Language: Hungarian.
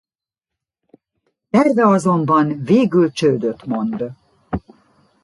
Terve azonban végül csődöt mond.